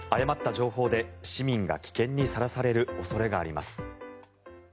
誤った情報で市民が危険にさらされる恐れがあります。